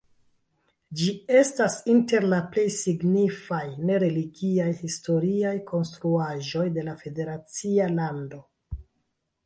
Ĝi estas inter la plej signifaj ne-religiaj historiaj konstruaĵoj de la federacia lando.